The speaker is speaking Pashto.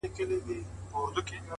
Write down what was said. هره ورځ د اغېز پرېښودلو فرصت لري’